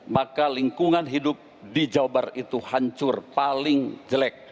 maka lingkungan hidup di jawa barat itu hancur paling jelek